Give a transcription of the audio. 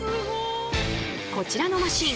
こちらのマシン